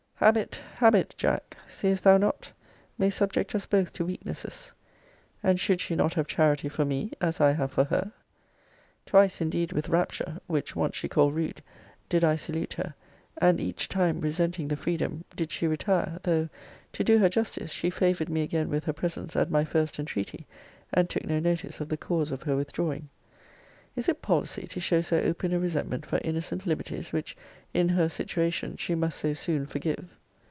Habit, habit, Jack, seest thou not? may subject us both to weaknesses. And should she not have charity for me, as I have for her? Twice indeed with rapture, which once she called rude, did I salute her; and each time resenting the freedom, did she retire; though, to do her justice, she favoured me again with her presence at my first entreaty, and took no notice of the cause of her withdrawing. Is it policy to show so open a resentment for innocent liberties, which, in her situation, she must so soon forgive?